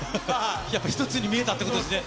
やっぱ１つに見えたってことですね？